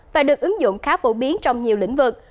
và được ứng dụng khá phổ biến trong nhiều lĩnh vực